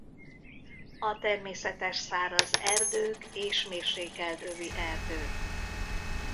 A természetes száraz erdők és mérsékelt övi erdők.